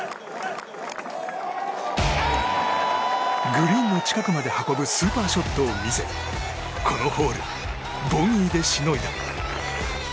グリーンの近くまで運ぶスーパーショットを見せこのホール、ボギーでしのいだ。